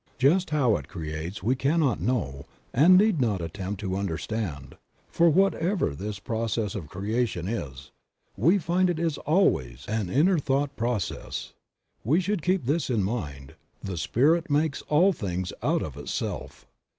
Just how It creates we cannot know and need not attempt to understand, for whatever this process of creation is, we find it is always an inner Creative Mind. 3 thought process. We should keep this in mind — the Spirit makes all things out of Itself.